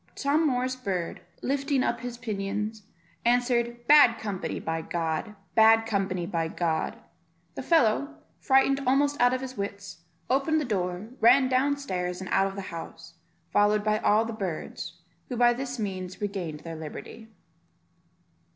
Tom Moor's bird, lifting up his pinions, answered, "Bad company, by G , bad company, by G ." The fellow, frightened almost out of his wits, opened the door, ran down stairs, and out of the house, followed by all the birds, who by this means regained their liberty.